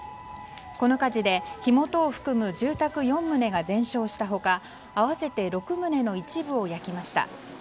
この火事で、火元を含む住宅４棟が全焼した他合わせて６棟の一部を焼きました。